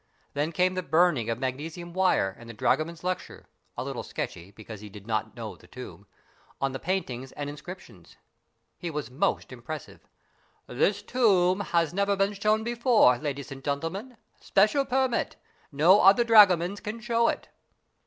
Then came the burning of magnesium wire and the dragoman's lecture a little sketchy, because he did not know the tomb on the paintings and inscriptions. He was most impressive. "This tomb never been shown before, ladies and gentlemen. Special permit. No other dragomans can show it."